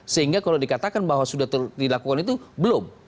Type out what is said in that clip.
sehingga kalau dikatakan bahwa sudah dilakukan itu belum